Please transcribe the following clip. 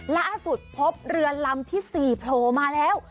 ล่าสุดพบเรือลำที่๔โผล่มาแล้ว